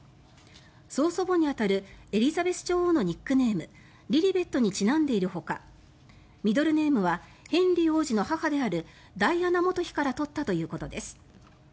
曾祖母に当たるエリザベス女王のニックネームリリベットにちなんでいるほかミドルネームはヘンリー王子の母であるダイアナ元妃から取ったということです。